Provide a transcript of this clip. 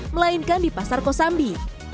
melainkan di pasar kosambi